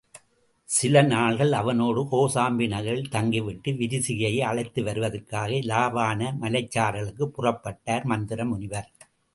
சில நாள்கள் அவனோடு கோசாம்பி நகரில் தங்கிவிட்டு, விரிசிகையை அழைத்து வருவதற்காக இலாவாண மலைச்சாரலுக்குப் புறப்பட்டார் மந்தர முனிவர்.